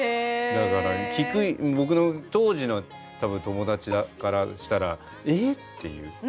だから僕の当時の多分友達からしたら「え！」っていう。